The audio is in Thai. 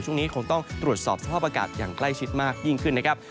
ช่วงนี้คงต้องตรวจสอบสภาพอากาศอย่างใกล้ชิดมากยิ่งขึ้นนะครับ